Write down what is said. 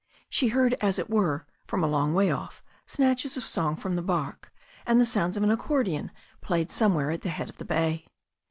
She heard, as it were, from a long way off, snatches of song from the barque, and the sounds of an accordion played somewhere at the head of the bay.